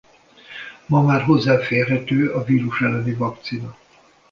Ma már hozzáférhető a vírus elleni vakcina.